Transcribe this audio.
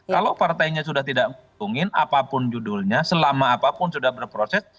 kalau partainya sudah tidak menguntungin apapun judulnya selama apapun sudah berproses